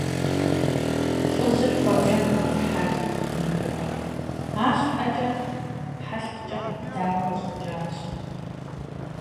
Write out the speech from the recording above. ЛӀыжьыр куэбжэм бгъэдыхьат Ӏуихын и гугъэу, арщхьэкӀэ хьэлъкъкӀэ гъэбыдауэ къыщӀэкӀащ.